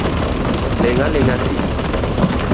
Ling'aling'a thi.